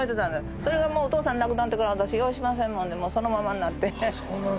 それがもうお父さん亡くなってから私ようしませんもんでもうそのままになって。